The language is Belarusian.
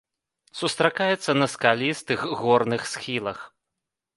Сустракаецца на скалістых горных схілах.